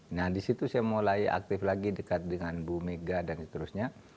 nah disitu saya mulai aktif lagi dekat dengan bu mega dan seterusnya